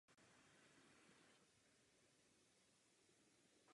Během své existence odehrála několik stovek koncertů.